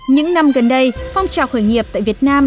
những năm gần đây phong trào khởi nghiệp tại việt nam